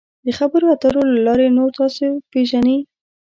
د خبرو اترو له لارې نور تاسو پیژني.